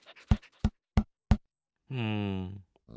うん。